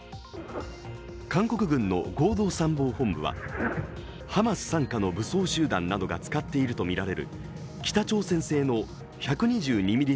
韓国軍の合同参謀本部は、ハマス傘下の武装集団などが使っているとみられる北朝鮮製の１２２ｍｍ